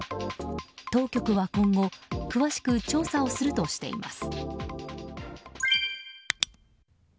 当局は今後詳しく調査をするとしています。